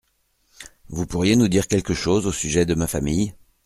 Vous pourriez nous dire quelque chose au sujet de ma famille ?